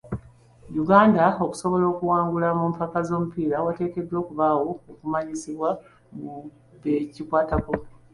Uganda okusobola okuwangula mu mpaka z'omupiira wateekeddwa okubeerawo okumanyisibwa mu be kikwatako.